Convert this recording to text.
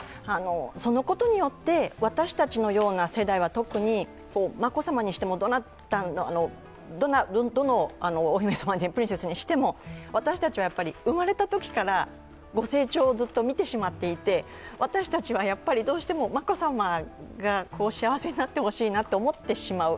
そのことによって私たちのような世代は特に、眞子さまにしてもどのプリンセスにしても私たちは生まれたときから御成長をずっと見てしまっていて私たちは、どうしても眞子さまが幸せになってほしいなと思ってしまう。